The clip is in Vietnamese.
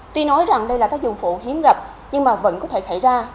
tuy nói đây là tác dụng phổ hiếm gặp nhưng vẫn có thể xảy ra